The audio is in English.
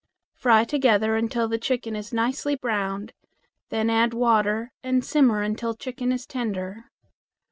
Fry together until the chicken is nicely browned, then add water and simmer until chicken is tender.